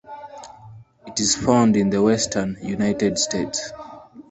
It is found in the western United States.